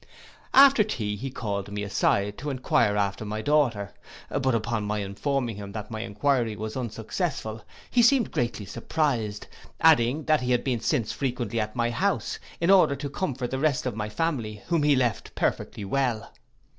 After tea he called me aside, to enquire after my daughter; but upon my informing him that my enquiry was unsuccessful, he seemed greatly surprised; adding, that he had been since frequently at my house, in order to comfort the rest of my family, whom he left perfectly well.